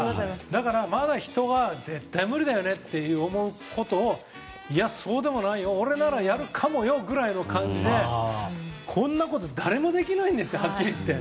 だから、まだ人が絶対無理だよねって思うことをいや、そうでもないよ俺ならやるかもよくらいの感じでこんなこと誰もできないんですよはっきり言って。